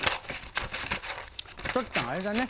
・おとっつぁんあれだね。